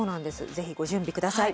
是非ご準備ください。